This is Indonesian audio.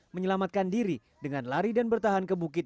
menyelamatkan diri dengan lari dan bertahan ke bukit